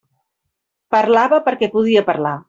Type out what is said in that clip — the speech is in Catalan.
Parlava perquè podia parlar.